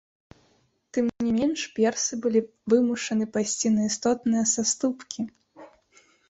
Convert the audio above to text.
Тым не менш, персы былі вымушаны пайсці на істотныя саступкі.